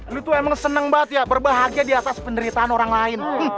ini tuh emang seneng banget ya berbahagia di atas penderitaan orang lain